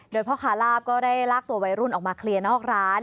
โดยพ่อค้าลาบก็ได้ลากตัววัยรุ่นออกมาเคลียร์นอกร้าน